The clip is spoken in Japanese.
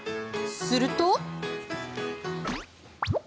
すると。